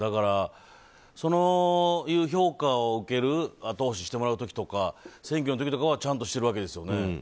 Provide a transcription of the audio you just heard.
そういう評価を受ける後押ししてもらう時とか選挙の時とかはちゃんとしてるわけですよね。